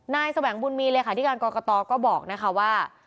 นายแสวงบุญมีเลยค่ะที่การกรกตอก็บอกนะคะว่า